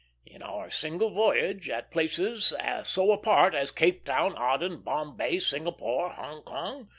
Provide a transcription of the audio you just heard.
In our single voyage, at places so apart as Cape Town, Aden, Bombay, Singapore, Hong Kong.